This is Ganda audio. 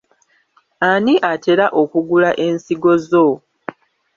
Ani atera okugula ensigo zo?